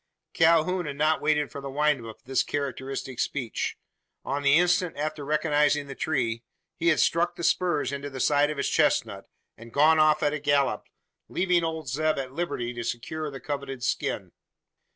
Calhoun had not waited for the wind up of this characteristic speech. On the instant after recognising the tree, he had struck the spurs into the sides of his chestnut, and gone off at a gallop, leaving old Zeb at liberty to secure the coveted skin.